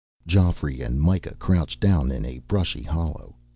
Geoffrey and Myka crouched down in a brushy hollow.